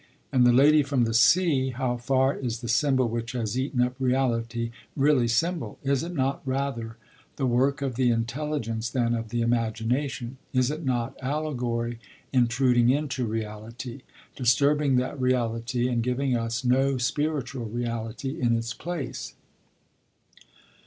In The Lady from the Sea, how far is the symbol which has eaten up reality really symbol? Is it not rather the work of the intelligence than of the imagination? Is it not allegory intruding into reality, disturbing that reality and giving us no spiritual reality in its place?